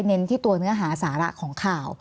มีความรู้สึกว่ามีความรู้สึกว่า